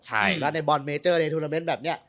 ใช่แล้วในบอลเมเจอร์ในทุนาเมนต์แบบนี้